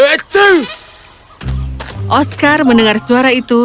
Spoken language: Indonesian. oscar mendengar suara itu dan mendengar suara itu